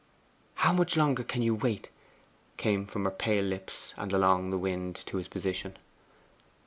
'How much longer can you wait?' came from her pale lips and along the wind to his position.